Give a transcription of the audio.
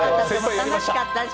楽しかったです。